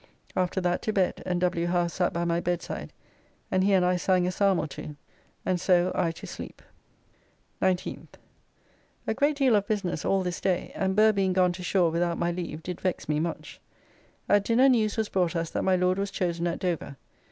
After that to bed, and W. Howe sat by my bedside, and he and I sang a psalm or two and so I to sleep. 19th. A great deal of business all this day, and Burr being gone to shore without my leave did vex me much. At dinner news was brought us that my Lord was chosen at Dover.